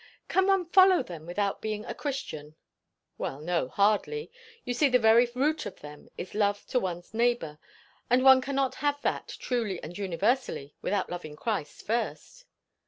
"Can one follow them without being a Christian?" "Well no, hardly. You see, the very root of them is love to one's neighbour; and one cannot have that, truly and universally, without loving Christ first."